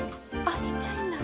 あっちっちゃいんだ！